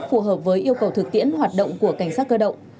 phù hợp với yêu cầu thực tiễn hoạt động của cảnh sát cơ động